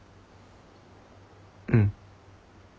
うん。